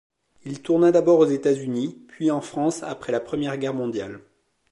Il tourna d'abord aux États-Unis, puis en France après la Première Guerre mondiale.